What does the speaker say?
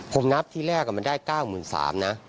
ผมนับที่แรกมันได้๙๓๐๐นะ